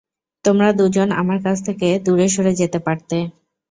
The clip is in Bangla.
তোমরা দুজন, আমার কাছ থেকে দূরে সরে যেতে পারতে।